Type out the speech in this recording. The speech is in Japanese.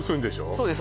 そうです